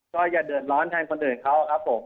ก็อย่าเดือดร้อนแทนคนอื่นเขาครับผม